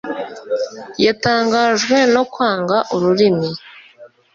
Yatangajwe no kwanga ururimi